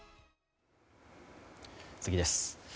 次です。